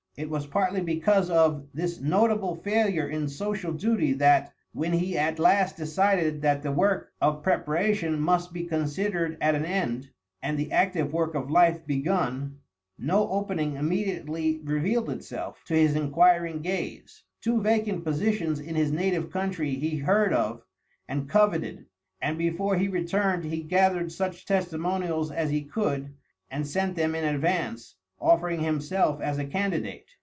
It was partly because of this notable failure in social duty that, when he at last decided that the work of preparation must be considered at an end, and the active work of life begun, no opening immediately revealed itself to his inquiring gaze. Two vacant positions in his native country he heard of and coveted, and before he returned he gathered such testimonials as he could, and sent them in advance, offering himself as a candidate.